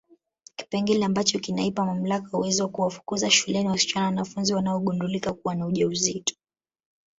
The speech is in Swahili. Kipengele ambacho kinaipa mamlaka uwezo wa kuwafukuza shuleni wasichana wanafunzi wanaogundulika kuwa na ujauzito